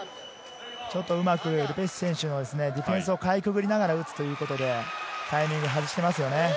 ル・ペシュ選手のディフェンスをかいくぐりながらということでタイミングを外しています。